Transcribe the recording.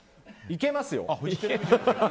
いけますよ。